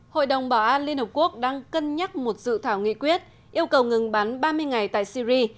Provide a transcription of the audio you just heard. hội đồng bảo an liên hợp quốc đang cân nhắc một dự thảo nghị quyết yêu cầu ngừng bắn ba mươi ngày tại syri